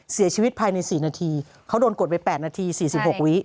เสียชีวิตภายใน๔นาทีเขาโดนกดไป๘นาที๔๖วิ